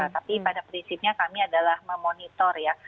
tapi pada prinsipnya kami adalah memonitor ya